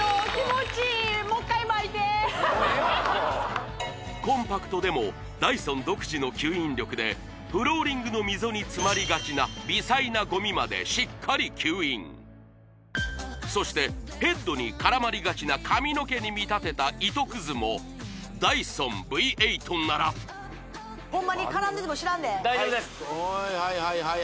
もうええわもうコンパクトでもダイソン独自の吸引力でフローリングの溝に詰まりがちな微細なゴミまでしっかり吸引そしてヘッドに絡まりがちな髪の毛に見立てた糸くずもダイソンＶ８ならホンマに絡んでも知らんで大丈夫ですおい